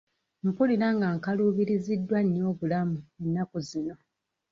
Mpulira nga nkaluubiriziddwa nnyo obulamu ennaku zino.